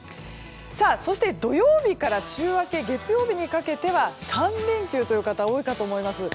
そして、土曜日から週明けの月曜日にかけては３連休という方が多いかと思います。